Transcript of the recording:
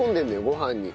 ご飯に。